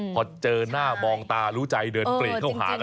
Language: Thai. พอเจอหน้ามองตารู้ใจเดินปรีเข้าหากัน